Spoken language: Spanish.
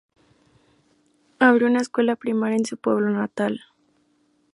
Abrió una escuela primaria en su pueblo natal.